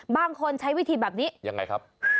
บางคนใช้วิธีแบบนี้ยังไงครับ